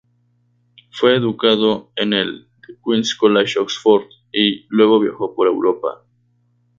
Fue educado en el The Queen's College, Oxford, y luego viajó por Europa.